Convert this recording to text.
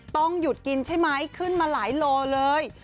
ต้องหยุดกินใช่ไหมขึ้นมาหลายโลเลย